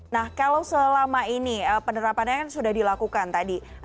nah kalau selama ini penerapannya kan sudah dilakukan tadi